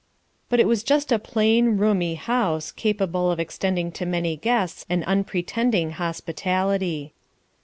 But it was just a plain, roomy house, capable of extending to many guests an unpretending hospitality.